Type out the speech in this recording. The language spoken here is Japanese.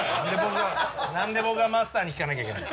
何で僕がマスターに聞かなきゃいけない。